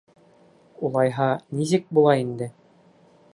Улайһа, нисек була инде?